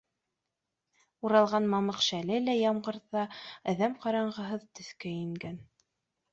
Уралған мамыҡ шәле лә ямғырҙа әҙәм ҡарағыһыҙ төҫкә ингән